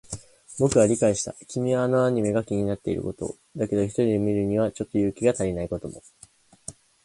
僕は理解した。君はあのアニメが気になっていることを。だけど、一人で見るにはちょっと勇気が足りないことも。